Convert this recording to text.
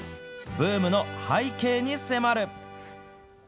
ブームの背景に迫る。